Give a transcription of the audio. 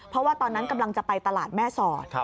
เพราะว่าตอนนั้นกำลังจะไปตลาดแม่สอด